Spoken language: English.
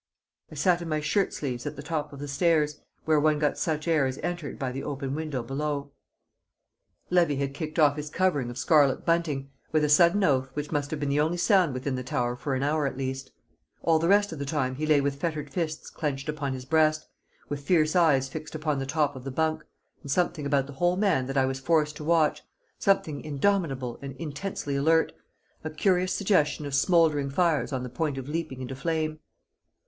I sat in my shirt sleeves at the top of the stairs, where one got such air as entered by the open window below. Levy had kicked off his covering of scarlet bunting, with a sudden oath which must have been the only sound within the tower for an hour at least; all the rest of the time he lay with fettered fists clenched upon his breast, with fierce eyes fixed upon the top of the bunk, and something about the whole man that I was forced to watch, something indomitable and intensely alert, a curious suggestion of smouldering fires on the point of leaping into flame.